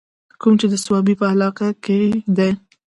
کوم چې د صوابۍ پۀ علاقه کښې دے